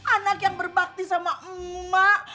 anak yang berbakti sama emak